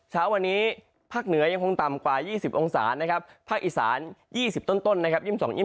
เช้าวันนี้ภาคเหนือยังคงต่ำกว่า๒๐องศานะครับภาคอีสาน๒๐ต้นนะครับ